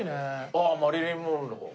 あっマリリン・モンロー。